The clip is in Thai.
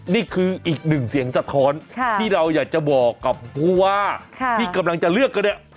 นี่คืออีกหนึ่งเสียงสะท้อนที่เราอยากจะบอกกับผู้ว่าที่กำลังจะเลือกกันเนี่ย